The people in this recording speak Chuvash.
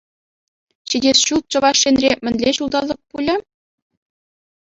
Ҫитес ҫул Чӑваш Енре мӗнле ҫулталӑк пулӗ?